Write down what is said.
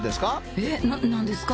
ええっ何ですか？